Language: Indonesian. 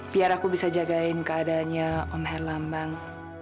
biar aku bisa jagain keadaannya om herlambang